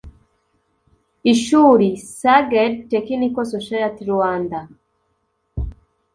Ishuri Sihgad Technical Society-Rwanda